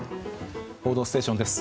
「報道ステーション」です。